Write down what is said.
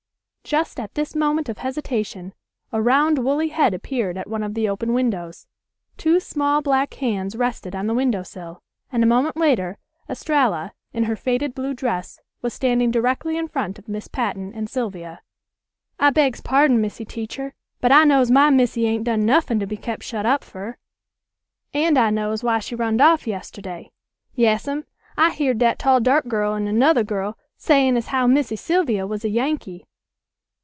Just at this moment of hesitation a round woolly head appeared at one of the open windows. Two small black hands rested on the window sill, and a moment later Estralla, in her faded blue dress, was standing directly in front of Miss Patten and Sylvia. "I begs pardon, Missy Teacher. But I knows my missy ain't done nuffin' to be kept shut up for. An' I knows why she runned off yesterd'y. Yas'm. I heered dat tall dark girl an' nuther girl sayin' as how Missy Sylvia was a Yankee.